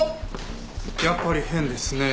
やっぱり変ですねえ。